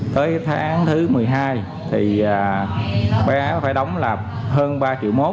tới tháng thứ một mươi hai thì bà ấy phải đóng là hơn ba triệu một